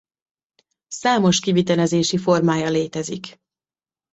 Számos kivitelezési formája létezik.